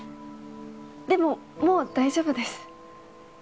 でももう大丈夫です。